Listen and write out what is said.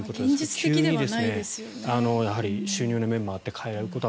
急に収入の面もあって変えられるのは